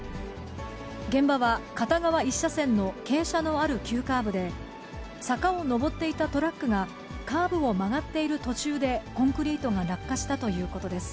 現場は片側１車線の傾斜のある急カーブで、坂を上っていたトラックが、カーブを曲がっている途中で、コンクリートが落下したということです。